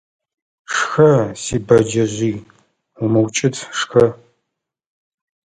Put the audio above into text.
Шхэ, си бэджэжъый, умыукӀыт, шхэ!